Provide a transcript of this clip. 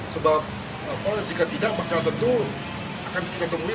sebab jika tidak maka tentu akan kita temui